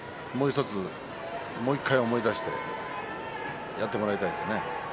もう１つ思い出してやってもらいたいですね。